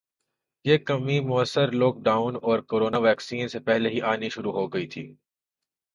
یہ کمی موثر لوک ڈاون اور کورونا ویکسین سے پہلے ہی آنی شروع ہو گئی تھی